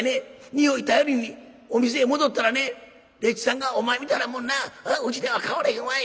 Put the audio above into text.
におい頼りにお店へ戻ったらね丁稚さんが『お前みたいなもんなうちでは飼われへんわい』。